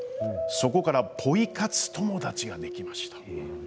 そこからポイ活友達ができました。